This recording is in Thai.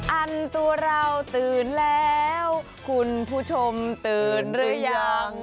อันตัวเราตื่นแล้วคุณผู้ชมตื่นหรือยัง